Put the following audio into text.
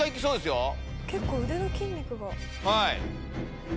結構腕の筋肉が。